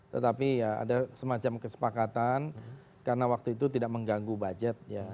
tetapi ya ada semacam kesepakatan karena waktu itu tidak mengganggu budget ya